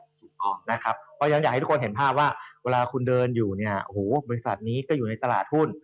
เพราะฉะนั้นอยากให้ทุกคนเห็นภาพว่าเวลาคุณเดินอยู่เนี่ยโอ้โหบริษัทนี้ก็อยู่ในตลาดหุ้น